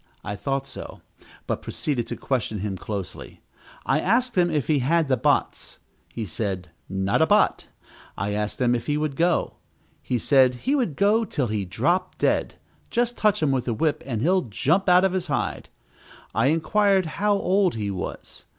I thought so, but proceeded to question him closely. I asked him if he had the bots. He said, not a bot. I asked him if he would go. He said he would go till he dropped down dead; just touch him with a whip, and he'll jump out of his hide. I inquired how old he was.